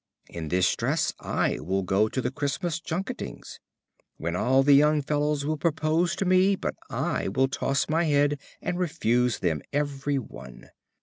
In this dress I will go to the Christmas junketings, when all the young fellows will propose to me, but I will toss my head, and refuse them every one."